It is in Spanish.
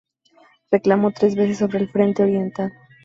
Reclamó tres victorias sobre el Frente Oriental.